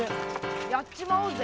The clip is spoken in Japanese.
やっちまおうぜ。